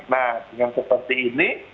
nah dengan seperti ini